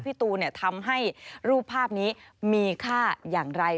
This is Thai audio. พี่ตูนทำให้รูปภาพนี้มีค่าอย่างไร